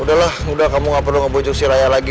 udah lah udah kamu nggak perlu ngebujukin raya lagi